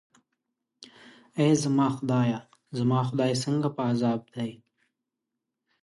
ای زما خدایه، زما خدای، څنګه په عذاب دی.